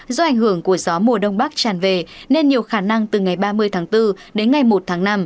do ảnh hưởng của gió mùa đông bắc tràn về nên nhiều khả năng từ ngày ba mươi tháng bốn đến ngày một tháng năm